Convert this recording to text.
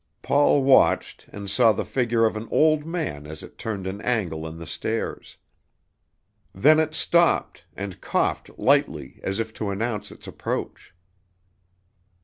Paul watched, and saw the figure of an old man as it turned an angle in the stairs. Then it stopped, and coughed lightly as if to announce its approach.